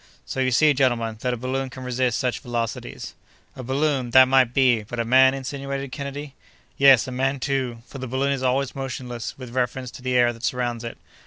So you see, gentlemen, that a balloon can resist such velocities." "A balloon—that might be; but a man?" insinuated Kennedy. "Yes, a man, too!—for the balloon is always motionless with reference to the air that surrounds it.